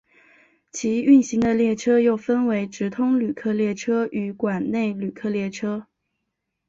其运行的列车又分为直通旅客列车与管内旅客列车。